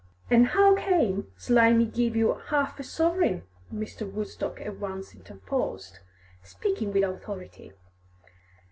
"And how came Slimy to give you half a sovereign?" Mr. Woodstock at once interposed, speaking with authority.